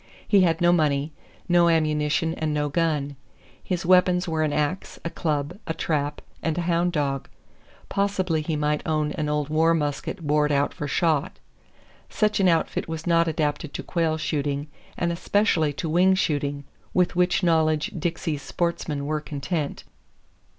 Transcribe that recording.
He had no money, no ammunition and no gun. His weapons were an ax, a club, a trap, and a hound dog; possibly he might own an old war musket bored out for shot. Such an outfit was not adapted to quail shooting and especially to wing shooting, with which knowledge Dixie's sportsmen were content.